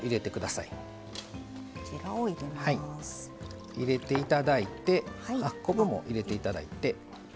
はい入れていただいて昆布も入れていただいて。